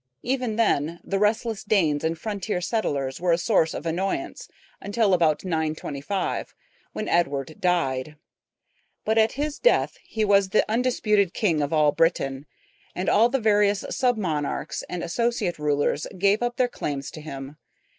Even then the restless Danes and frontier settlers were a source of annoyance until about 925, when Edward died; but at his death he was the undisputed king of all Britain, and all the various sub monarchs and associate rulers gave up their claims to him.